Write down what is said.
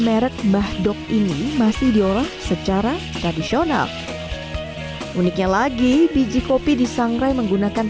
merek mbah dok ini masih diolah secara tradisional uniknya lagi biji kopi disangrai menggunakan